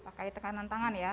pakai tekanan tangan ya